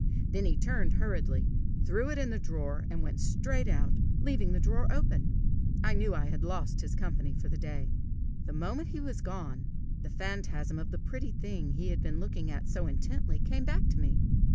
Then he turned hurriedly, threw it in the drawer, and went straight out, leaving the drawer open. I knew I had lost his company for the day. The moment he was gone, the phantasm of the pretty thing he had been looking at so intently, came back to me.